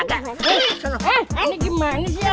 aduh ini gimana sih ya